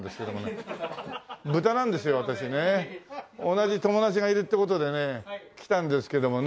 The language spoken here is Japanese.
同じ友達がいるって事でね来たんですけどもね。